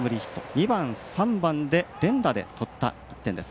２番、３番で連打でとった１点です。